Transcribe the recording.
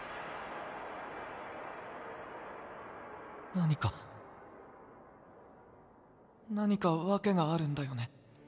何か何か訳があるんだよね？